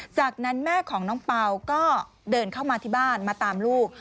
จากนั้นแม่ของน้องเปล่าก็เดินเข้ามาที่บ้านมาตามลูก